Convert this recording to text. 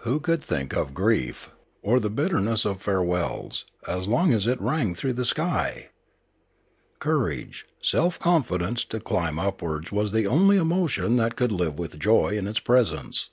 Who could think of grief or the bitterness of farewells, as long as it rang through the sky ? Courage, confidence to climb upwards was the only emotion that could live with joy in its presence.